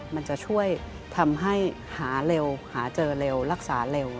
มันจะช่วยทำให้หาเร็วหาเจอเร็วรักษาเร็ว